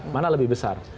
mana lebih besar